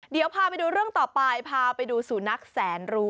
เดี๋ยวพาไปดูเรื่องต่อไปพาไปดูสุนัขแสนรู้